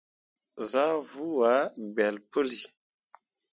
Zah vuu ah gbelle puli.